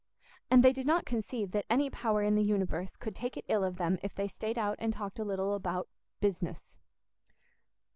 —and they did not conceive that any power in the universe could take it ill of them if they stayed out and talked a little about "bus'ness."